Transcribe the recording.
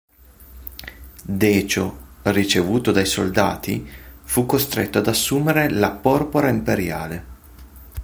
Decio, ricevuto dai soldati, fu costretto ad assumere la porpora imperiale.